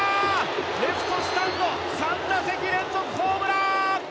レフトスタンド３打席連続ホームラン！